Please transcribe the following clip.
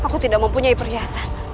aku tidak mempunyai perhiasan